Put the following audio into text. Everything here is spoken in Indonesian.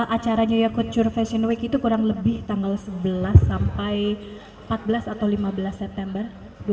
acaranya new york cure fashion week itu kurang lebih tanggal sebelas sampai empat belas atau lima belas september dua ribu lima belas